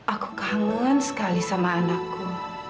aku kangen sekali sama anakku